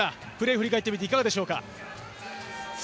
振り返っていかがでしょうか？